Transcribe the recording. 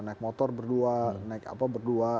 naik motor berdua naik apa berdua